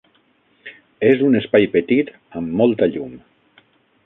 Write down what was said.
És un espai petit amb molta llum.